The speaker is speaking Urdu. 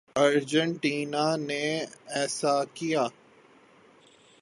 ارجنٹینا نے ایسا کیا۔